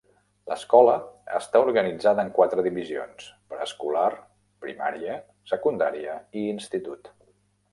L'escola està organitzada en quatre divisions: preescolar, primària, secundària i institut.